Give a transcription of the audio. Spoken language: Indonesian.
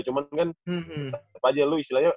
cuman kan tetap aja lu istilahnya